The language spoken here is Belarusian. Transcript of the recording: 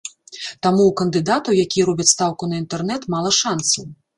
Таму ў кандыдатаў, якія робяць стаўку на інтэрнэт, мала шанцаў.